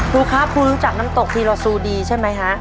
ครูครับครูรู้จักน้ำตกทีลอซูดีใช่ไหมฮะ